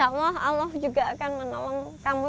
tetap lah membantu orang lain sebisa sama kamu